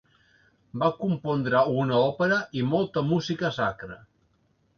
Va compondre una òpera i molta música sacra.